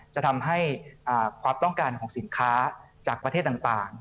จะทำให้ความต้องการของสินค้าจากประเทศต่าง